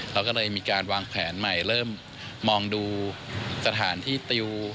เราก็เลยมีการวางแผนใหม่เริ่มมองดูสถานที่ติว